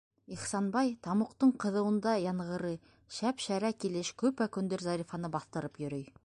Ихсанбай, тамуҡтың ҡыҙыуында янғыры, шәп- шәрә килеш, көпә-көндөҙ Зарифаны баҫтырып йөрөй.